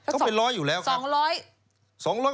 ก็เป็นร้อยอยู่แล้วครับ๒๐๐